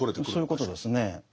そういうことですね。